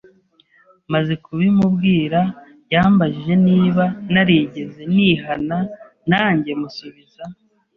Maze kubimubwira, yambajije niba narigeze nihana nanjye musubiza